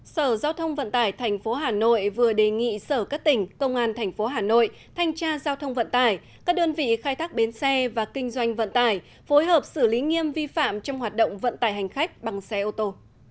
sở giao thông vận tải tp hà nội vừa đề nghị sở các tỉnh công an thành phố hà nội thanh tra giao thông vận tải các đơn vị khai thác bến xe và kinh doanh vận tải phối hợp xử lý nghiêm vi phạm trong hoạt động vận tải hành khách bằng xe ô tô